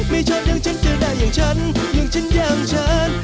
ไม่ชอบอย่างฉันจะได้อย่างฉันอย่างฉันอย่างฉัน